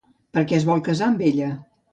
Per què es vol casar amb ella?